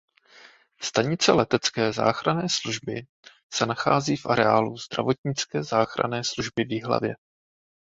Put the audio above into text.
Stanice letecké záchranné služby se nachází v areálu zdravotnické záchranné služby v Jihlavě.